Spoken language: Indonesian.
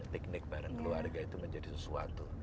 piknik bareng keluarga itu menjadi sesuatu